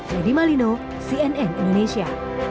dari malino cnn indonesia